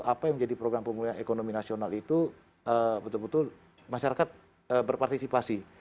apa yang menjadi program pemulihan ekonomi nasional itu betul betul masyarakat berpartisipasi